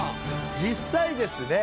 実際ですね